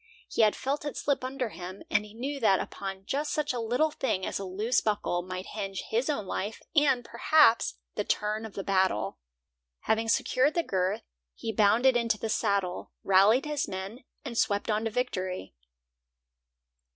He had felt it slip under him, and he knew that upon just such a little thing as a loose buckle might hinge his own life, and, perhaps, the turn of the battle. Having secured the girth, he bounded into the saddle, rallied his men, and swept on to victory.